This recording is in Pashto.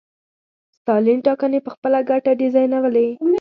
ستالین ټاکنې په خپله ګټه ډیزاینولې.